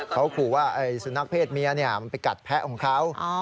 เขาขู่ว่าสุนัขเพศเมียมันไปกัดแพะของเขา